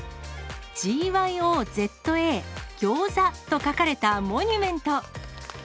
ＧＹＯＺＡ、ギョーザと書かれたモニュメント。